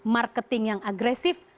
marketing yang agresif